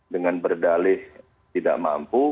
dengan berdalih tidak mampu